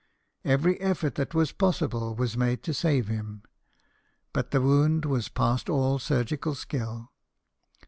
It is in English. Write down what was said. Every effort that was pos sible, was made to save him, but the wound was past all surgical skill.